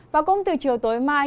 và cũng từ chiều tối mai